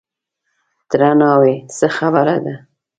_تره ناوې! څه خبره ده؟